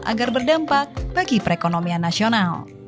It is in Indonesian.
agar berdampak bagi perekonomian nasional